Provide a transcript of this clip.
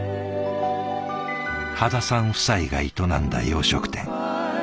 羽田さん夫妻が営んだ洋食店。